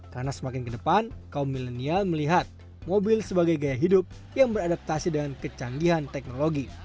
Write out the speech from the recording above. karena semakin ke depan kaum milenial melihat mobil sebagai gaya hidup yang beradaptasi dengan kecanggihan teknologi